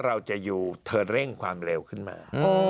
เราจะยูเทิร์นเร่งความเร็วขึ้นมา